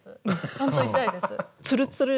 ちゃんと痛いです。